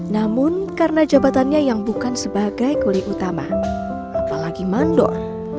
namun karena jabatannya yang bukan sebagai kuli utama apalagi mandor